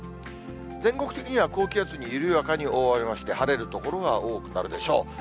全国的には高気圧に緩やかに覆われまして、晴れる所が多くなるでしょう。